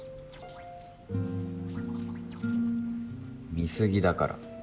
見過ぎだから。